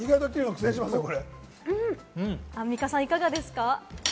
アンミカさん、いかがですか？